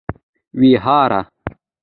ويهاره